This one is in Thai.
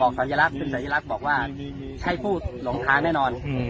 บอกศัลยลักษณ์ศัลยลักษณ์บอกว่าใช่ผู้หลงทางแน่นอนอืม